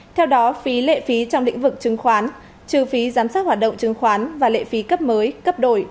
theo đó phí lệ phí trong lĩnh vực chứng khoán trừ phí giám sát hoạt động chứng khoán và lệ phí cấp mới cấp đổi